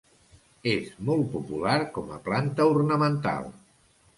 És molt popular com a planta ornamental.